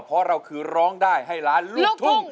เพราะเราคือร้องได้ให้ล้านลูกทุ่ง